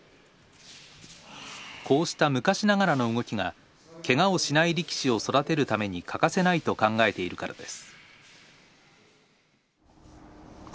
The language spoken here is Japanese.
こうした昔ながらの動きがけがをしない力士を育てるために欠かせないと考えているからです。